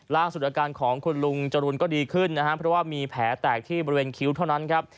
ร่างสุดอาการของคุณลุงจรุลก็ดีขึ้นเพราะว่ามีแผลแตกที่บริเวณคิ้วเท่านั้น